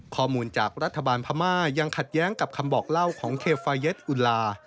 ข้อมูลจากรัฐบาลพม่ายังขัดแย้งกับคำบอกเล่าของเคฟาเย็ดอุลา